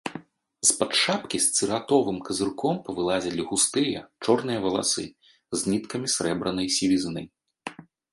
З-пад шапкі з цыратовым казырком павылазілі густыя, чорныя валасы з ніткамі срэбранай сівізны.